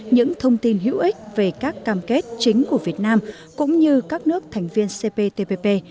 những thông tin hữu ích về các cam kết chính của việt nam cũng như các nước thành viên cptpp